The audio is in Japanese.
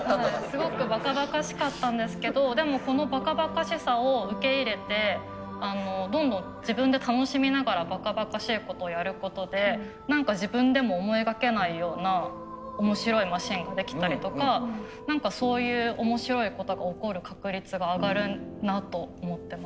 すごくばかばかしかったんですけどでもこのばかばかしさを受け入れてどんどん自分で楽しみながらばかばかしいことやることで何か自分でも思いがけないような面白いマシンができたりとか何かそういう面白いことが起こる確率が上がるなと思ってます。